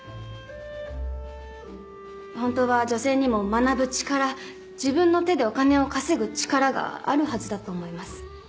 本当は女性にも学ぶ力自分の手でお金を稼ぐ力があるはずだと思います。